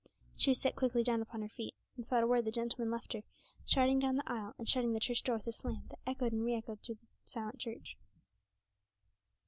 She was set quickly down upon her feet, and without a word the gentleman left her, striding down the aisle and shutting the church door with a slam that echoed and re echoed through the silent church.